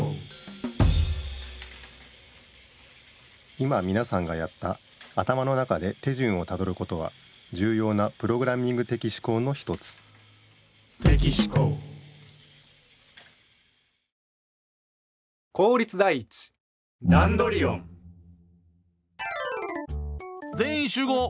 今みなさんがやった頭の中で手順をたどることはじゅうようなプログラミング的思考の一つぜんいんしゅうごう！